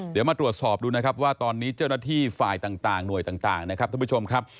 เดี๋ยวมาตรวจสอบดูนะครับว่าตอนนี้เจ้าหน้าที่ฝ่ายต่างหน่วยต่างนะครับท่านผู้ชมครับ